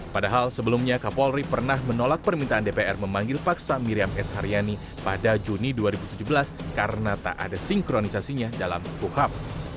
padahal sebelumnya kapolri pernah menolak permintaan dpr memanggil paksa miriam s haryani pada juni dua ribu tujuh belas karena tak ada sinkronisasinya dalam kuhap